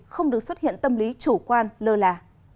không được xuất hiện tâm lý chủ quan lơ là